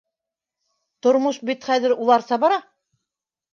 Тормош бит хәҙер уларса бара.